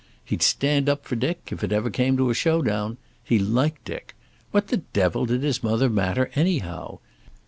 He'd stand up for Dick, if it ever came to a show down. He liked Dick. What the devil did his mother matter, anyhow?